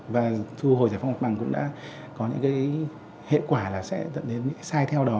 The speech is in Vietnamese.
và thu hồi giải phóng mặt bằng cũng đã có những cái hệ quả là sẽ dẫn đến những sai theo đó